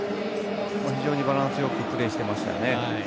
非常にバランスよくプレーしてましたね。